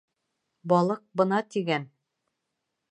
Балыҡ бына тигән!